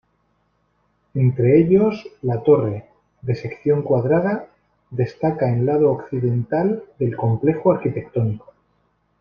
Entre ellos, la torre, de sección cuadrada, destaca en lado occidental del complejo arquitectónico.